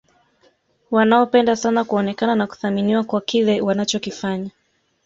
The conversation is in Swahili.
wanaopenda sana kuonekana na kuthaminiwa kwa kile wanachokifanya